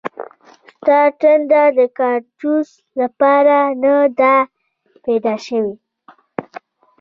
ستا ټنډه د کاړتوس لپاره نه ده پیدا شوې